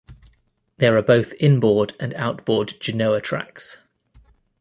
There are both inboard and outboard genoa tracks.